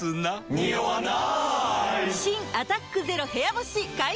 ニオわない！